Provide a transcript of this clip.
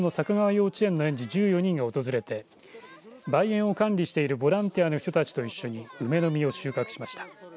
幼稚園の園児１４人が訪れて梅園を管理しているボランティアの人たちと一緒に梅の実を収穫しました。